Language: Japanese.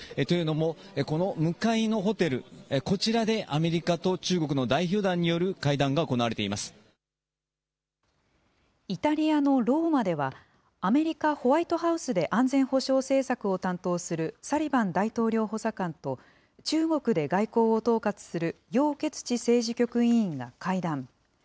というのも、この向かいのホテル、こちらでアメリカと中国の代表団イタリアのローマでは、アメリカ、ホワイトハウスで安全保障政策を担当する、サリバン大統領補佐官と、中国で外交を統括する楊潔ち政治局委員が会談。